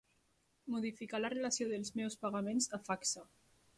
Modificar la relació dels meus pagaments a Facsa.